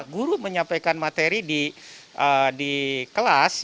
guru menyampaikan materi di kelas